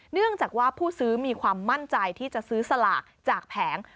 เนื่องจากว่าผู้ซื้อมีความมั่นใจที่จะซื้อสลากจากแผง